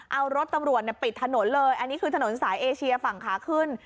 เอารถตำรวจปิดถนนเลยอันนี้คือถนนสายเอเชียฝั่งขาขึ้น